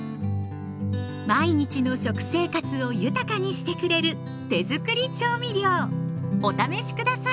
毎日の食生活を豊かにしてくれる手づくり調味料お試し下さい！